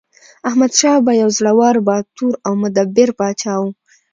احمدشاه بابا یو زړور، باتور او مدبر پاچا و.